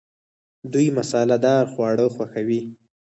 دوی مساله دار خواړه خوښوي.